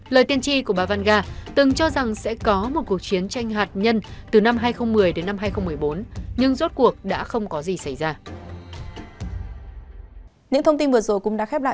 lời tiên tri của bà vanga từng cho rằng sẽ có một cuộc chiến tranh hạt nhân từ năm hai nghìn một mươi đến năm hai nghìn một mươi bốn nhưng rốt cuộc đã không có gì xảy ra